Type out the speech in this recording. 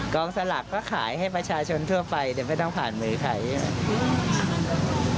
สลักก็ขายให้ประชาชนทั่วไปแต่ไม่ต้องผ่านมือใคร